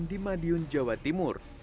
di madiun jawa timur